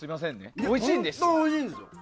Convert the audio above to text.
本当、おいしいんですよ。